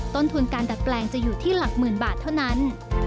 ต้นทุนการดัดแปลงจะอยู่ที่หลักหมื่นบาทเท่านั้น